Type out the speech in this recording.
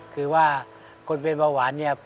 คือว่าคนเป็นเบาหวานเนี่ย